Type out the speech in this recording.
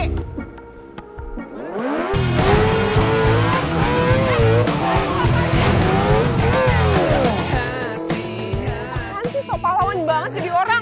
kenapa kan sih sopah lawan banget jadi orang